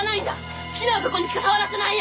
好きな男にしか触らせないよ！